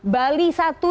bali ada satu